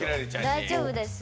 大丈夫です？